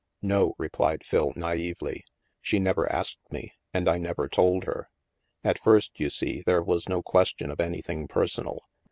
" No," replied Phil naively. " She nevjer asked me, and I never told her. At first, you see, there was no question of anything personal.